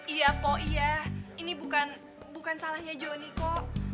iya po iya ini bukan salahnya jonny kok